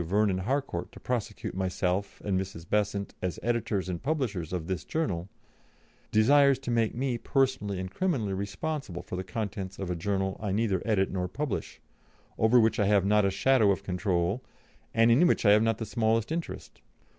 Vernon Harcourt to prosecute myself and Mrs. Besant as editors and publishers of this journal, desires to make me personally and criminally responsible for the contents of a journal I neither edit nor publish, over which I have not a shadow of control, and in which I have not the smallest interest.